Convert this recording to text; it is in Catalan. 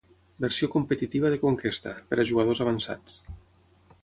Versió competitiva de Conquesta, per a jugadors avançats.